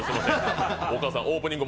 お母さん、オープニング